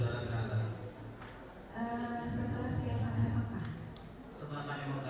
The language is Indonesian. waktu kan banyak inat dan upload